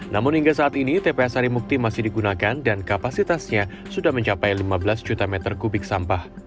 namun hingga saat ini tpa sarimukti masih digunakan dan kapasitasnya sudah mencapai lima belas juta meter kubik sampah